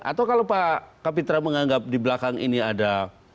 atau kalau pak kapitra menganggap di belakang ini ada